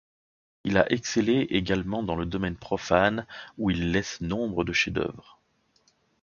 Il a excellé également dans le domaine profane, où il laisse nombre de chefs-d'œuvre.